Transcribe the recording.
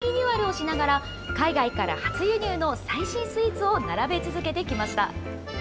その後、４回リニューアルをしながら、海外から初輸入の最新スイーツを並べ続けてきました。